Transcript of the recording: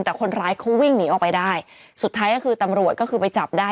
แต่คนร้ายเขาวิ่งหนีออกไปได้สุดท้ายก็คือตำรวจก็คือไปจับได้